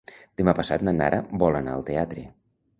Demà passat na Nara vol anar al teatre.